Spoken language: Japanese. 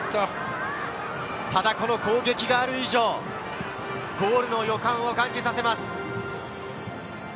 ただこの攻撃がある以上、ゴールの予感は感じさせます。